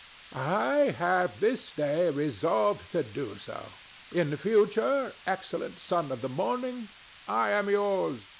I have this day resolved to do so. In future, excellent Son of the Morning, I am yours.